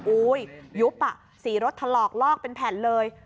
ยุบอ่ะสีรถถลอกลอกเป็นแผ่นเลย